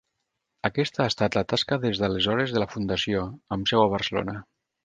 Aquesta ha estat la tasca des d'aleshores de la Fundació, amb seu a Barcelona.